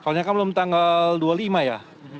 kalau ini kan belum tanggal dua puluh lima ya